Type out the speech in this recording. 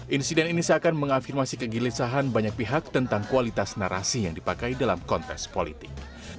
insiden ini seakan mengafirmasi kegelisahan banyak pihak tentang kualitas narasi yang dipakai dalam kontes politik